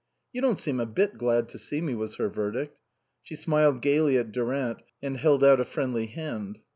" You don't seem a bit glad to see me," was her verdict. She smiled gaily at Durant, and held out a friendly hand.